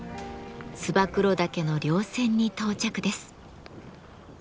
燕岳の稜線に到着です。